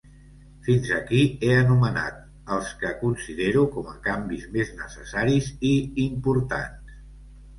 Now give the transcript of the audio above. Fins aquí he anomenat els que considero com a canvis més necessaris i importants.